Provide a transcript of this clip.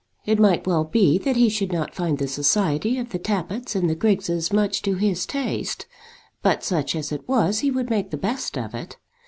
It might well be that he should not find the society of the Tappitts and the Griggses much to his taste, but such as it was he would make the best of it.